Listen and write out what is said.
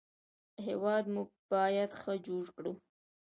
هېواد مو باید ښه جوړ کړو